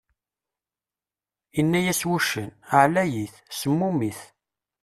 Inna-yas wuccen: ɛlayit, semmumit!